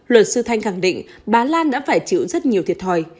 luật sư thanh càng định bà lan đã phải chịu rất nhiều thiệt hỏi